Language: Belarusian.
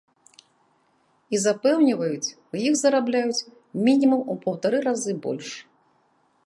І запэўніваюць, у іх зарабляюць мінімум у паўтары разы больш.